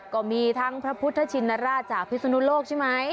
ก็มีทั้งพระพุทธชินราชจากพิศนุโลกใช่ไหม